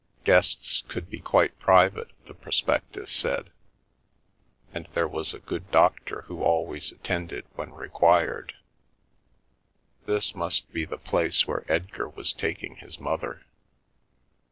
Guests could be quite private, the pros pectus said, and there was a good doctor who always at tended when required. This must be the place where Edgar was taking his mother.